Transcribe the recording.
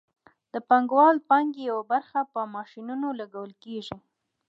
د پانګوال د پانګې یوه برخه په ماشینونو لګول کېږي